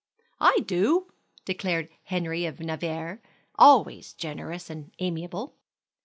"I do!" declared Henry of Navarre, always generous, and amiable.